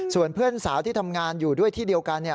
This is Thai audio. ส่วนเพื่อนสาวที่ทำงานอยู่ด้วยที่เดียวกัน